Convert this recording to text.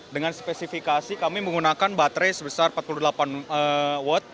dengan spesifikasi kami menggunakan baterai sebesar empat puluh delapan watt